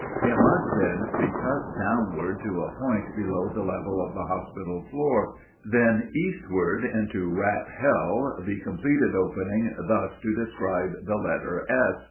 It must then be cut downward to a point below the level of the hospital floor, then eastward into Rat Hell, the completed opening thus to describe the letter "S."